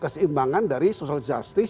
keseimbangan dari social justice